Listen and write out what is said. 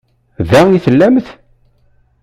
Da i tellamt?